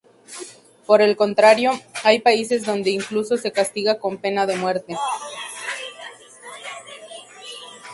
Por el contrario, hay países donde incluso se castiga con pena de muerte.